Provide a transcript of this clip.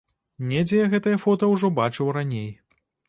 Недзе я гэтыя фота ўжо бачыў раней.